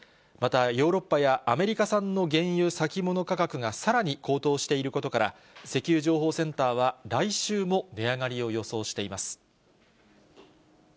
また、ヨーロッパやアメリカ産の原油先物価格がさらに高騰していることから、石油情報センターは、来週も値上がりを予想しています。